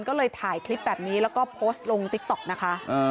ก็เลยถ่ายคลิปแบบนี้แล้วก็โพสต์ลงติ๊กต๊อกนะคะ